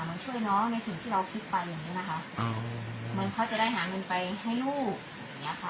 เหมือนช่วยน้องในสิ่งที่เราคิดไปอย่างนี้นะคะเหมือนเขาจะได้หาเงินไปให้ลูกอย่างเงี้ยค่ะ